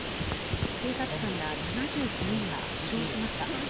警察官ら７９人が負傷しました。